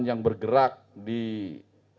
kemudian kami pun terus mendata